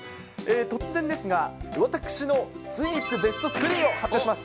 突然ですが、私のスイーツベスト３を発表します。